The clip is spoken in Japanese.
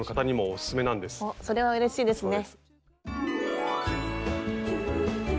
おっそれはうれしいですね。